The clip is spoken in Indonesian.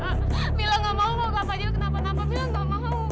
camilla gak mau mau ke apa apa del kenapa napa camilla gak mau